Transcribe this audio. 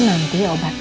nanti kita berdua makan